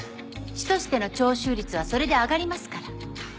市としての徴収率はそれで上がりますから。